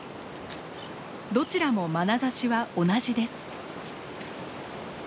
どちらもまなざしは同じです。